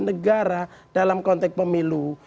negara dalam konteks pemilu